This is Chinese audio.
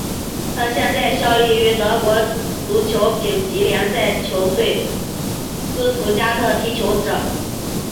他现在效力于德国足球丙级联赛球队斯图加特踢球者。